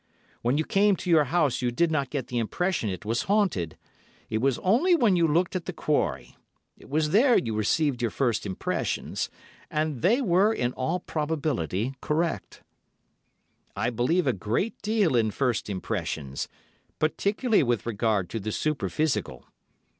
When you came to your house you did not get the impression it was haunted; it was only when you looked at the quarry—it was there you received your first impressions—and they were, in all probability, correct. I believe a great deal in first impressions, particularly with regard to the superphysical.